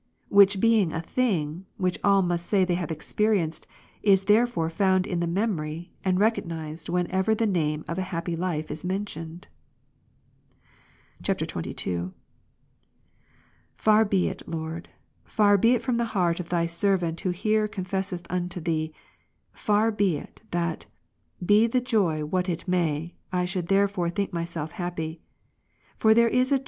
Which being a thing, which all must say they have experienced, it is therefore found in the memory, and recognized whenever the name of a happy life is mentioned. [XXII.] 32. Far be it, Lord, far be it from the heart of Thy servant who here confesseth unto Thee, far be it, that, be the joy what it may, I should therefore think myself happy. For there is a.